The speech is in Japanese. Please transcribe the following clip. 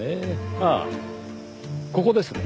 ああここですね。